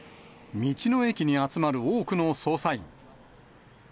道の駅に集まる多くの捜査員。